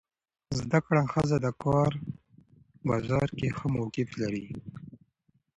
زده کړه ښځه د کار بازار کې ښه موقف لري.